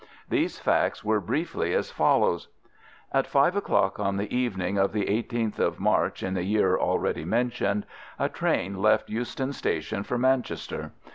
These facts were briefly as follows:— At five o'clock on the evening of the 18th of March in the year already mentioned a train left Euston Station for Manchester.